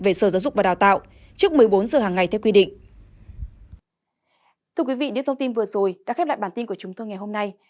về sở giáo dục và đào tạo trước một mươi bốn h hàng ngày theo quy định